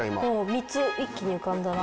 ３つ一気に浮かんだな。